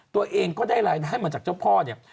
ตัวเองก็ได้รายได้มาจากเจ้าพ่อเนี่ย